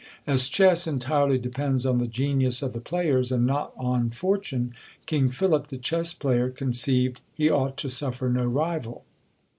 As chess entirely depends on the genius of the players, and not on fortune, King Philip the chess player conceived he ought to suffer no rival.